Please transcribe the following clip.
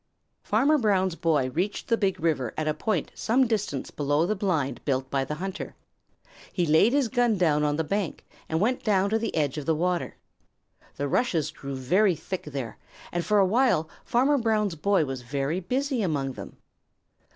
Farmer Brown's boy reached the Big River at a point some distance below the blind built by the hunter. He laid his gun down on the bank and went down to the edge of the water. The rushes grew very thick there, and for a while Farmer Brown's boy was very busy among them.